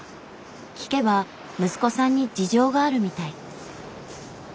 聞けば息子さんに事情があるみたい。